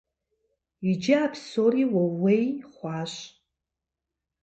Иджы а псори уэ ууей хъуащ.